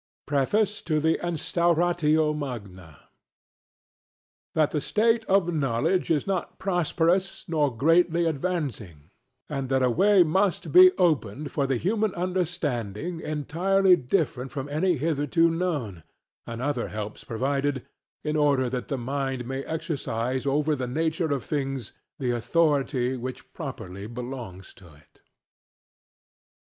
PREFACE TO THE INSTAURATIO MAGNA _That the state of knowledge is not prosperous nor greatly advancing; and that a way must be opened for the human understanding entirely different from any hitherto known, and other helps provided, in order that the mind may exercise over the nature of things the authority which properly belongs to it.